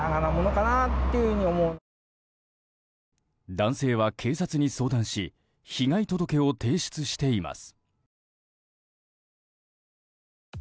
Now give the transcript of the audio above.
男性は警察に相談し被害届を提出しています。